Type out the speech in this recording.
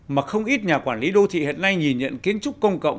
mà không ít nhà quản lý đô thị hiện nay nhìn nhận kiến trúc công cộng